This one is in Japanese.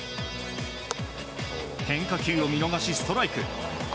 変化球を見逃し、ストライク。